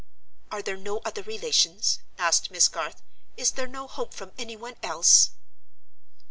"Are there no other relations?" asked Miss Garth. "Is there no hope from any one else?"